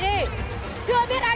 dù người đi trước